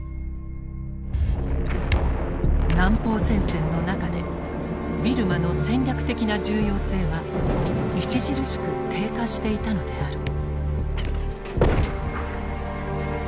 南方戦線の中でビルマの戦略的な重要性は著しく低下していたのである。